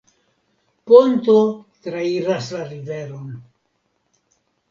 Ponto trairas la riveron.